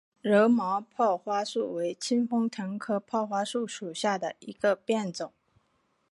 柔毛泡花树为清风藤科泡花树属下的一个变种。